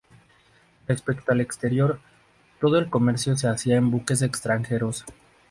Respecto al exterior, "todo el comercio se hacía en buques extranjeros.